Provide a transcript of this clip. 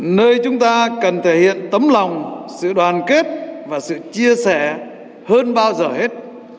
nơi chúng ta cần thể hiện tấm lòng sự đoàn kết và sự chia sẻ hơn bao giờ hết